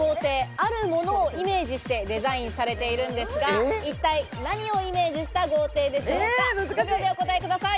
あるものをイメージしてデザインされているんですが、一体何をイメージした豪邸でしょうか？